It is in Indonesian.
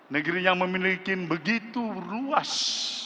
negeri yang memiliki begitu luas